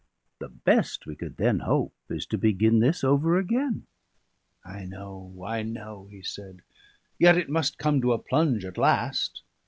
the best we could then hope is to begin this over again." "I know I know," he said. "Yet it must come to a plunge at last."